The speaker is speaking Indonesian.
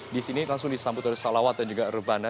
di sini langsung disambut oleh salawat dan juga rebana